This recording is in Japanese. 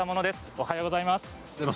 おはようございます。